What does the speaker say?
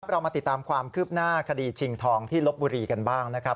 เรามาติดตามความคืบหน้าคดีชิงทองที่ลบบุรีกันบ้างนะครับ